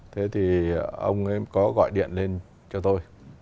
thế thì ông ấy có gọi điện lên cho tôi